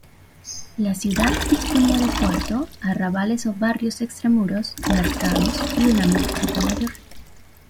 La ciudad disponía de puerto, arrabales o barrios extramuros, mercados y una mezquita mayor.